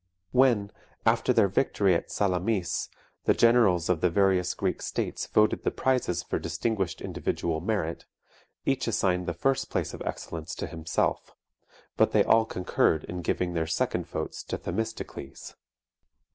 When, after their victory at Salamis, the generals of the various Greek states voted the prizes for distinguished individual merit, each assigned the first place of excellence to himself, but they all concurred in giving their second votes to Themistocles.